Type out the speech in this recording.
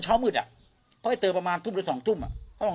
เช้ามืดอ่ะเพราะไอ้เธอประมาณทุ่มหรือสองทุ่มอ่ะก็ต้อง